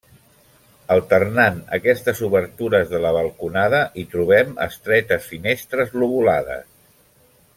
Alternant aquestes obertures de la balconada, hi trobem estretes finestres lobulades.